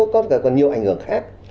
có nhiều ảnh hưởng khác